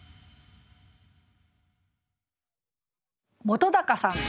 本さん。